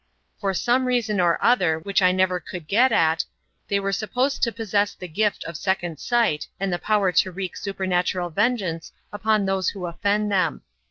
For some reason or other, which I never could get at, they are sup posed to possess the gift of second sight, and the power to wreak supernatural vengeance upon those who offend them.